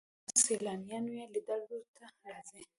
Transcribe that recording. اوس هر کال ملیونونه سیلانیان یې لیدو ته راځي.